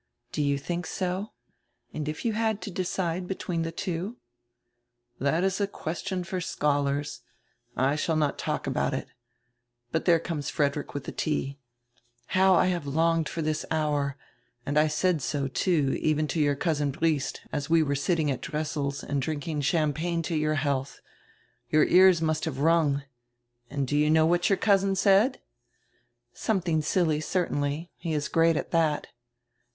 "Do you think so? And if you had to decide between the two" — "That is a question for scholars; I shall not talk about it. But there comes Frederick with the tea. How I have longed for this hour! And I said so, too, even to your Cousin Briest, as we were sitting at Dressel's and drinking Champagne to your health — Your ears must have rung — And do you know what your cousin said?" "Something silly, certainly. He is great at that."